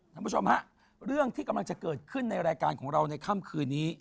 คุณผู้ชมฮะเรื่องที่กำลังจะเกิดขึ้นในรายการของเราในค่ำคืนนี้